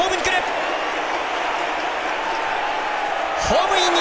ホームイン！